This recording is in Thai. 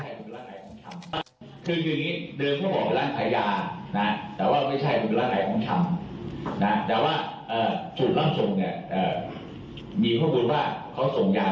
นิติเวทย์ยืนยันว่าเป็นทรายยนายโดยเดทรองไปก่อนนะคะ